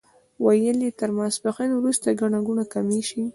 ویل یې تر ماسپښین وروسته ګڼه ګوڼه کمه شي.